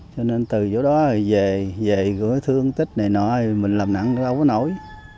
cho nên từ chỗ đó về về cứ thương tích này nọ mình làm nặng đâu có nổi